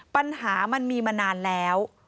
ปัญหามันมีมานานแล้ว